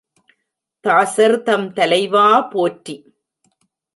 தாசர் தம் தலைவா போற்றி!